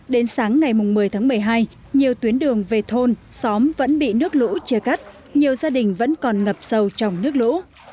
đến sáng ngày một mươi tháng một mươi hai nhiều tuyến đường về thôn xóm vẫn bị nước lũ chia cắt nhiều gia đình vẫn còn ngập sâu trong nước lũ